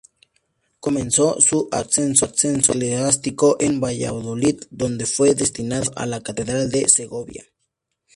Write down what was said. Comenzó su ascenso eclesiástico en Valladolid, donde fue destinado a la catedral de Segovia.